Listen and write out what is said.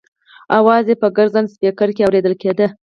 اواز یې په ګرځنده سپېکر کې اورېدل کېده.